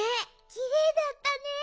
きれいだったね。